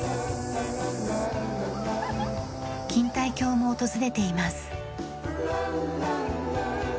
錦帯橋も訪れています。